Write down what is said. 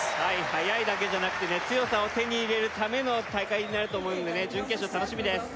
速いだけじゃなくて強さを手に入れるための大会になると思うので準決勝楽しみです